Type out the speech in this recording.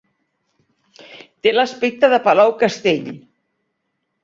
Té l'aspecte de palau-castell.